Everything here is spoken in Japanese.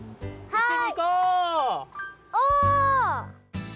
はい。